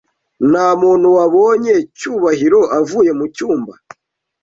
Ntamuntu wabonye Cyubahiro avuye mucyumba.